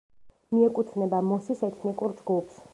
მიეკუთვნება მოსის ეთნიკურ ჯგუფს.